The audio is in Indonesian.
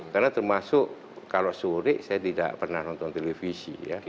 karena termasuk kalau sore saya tidak pernah nonton televisi